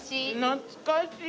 懐かしい！